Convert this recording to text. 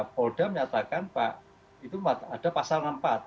polda menyatakan pak itu ada pasal enam puluh empat